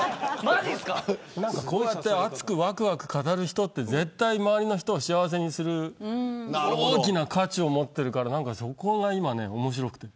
こうやって熱く、わくわく語る人は絶対に周りの人を幸せにする大きな価値を持っているからそこが面白くて。